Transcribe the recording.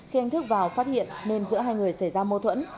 khi anh thức vào phát hiện nên giữa hai người xảy ra mâu thuẫn